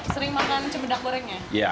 sering makan cempedak gorengnya